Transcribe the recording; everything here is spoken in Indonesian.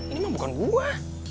ini mah bukan gue